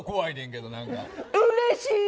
うれしいね！